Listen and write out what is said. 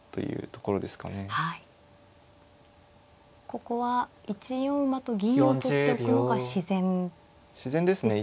ここは１四馬と銀を取っておくのが自然ですか。